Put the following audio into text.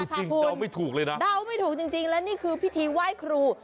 เดาไม่ถูกเลยนะเดาไม่ถูกจริงและนี่คือพิธีไหว้ครู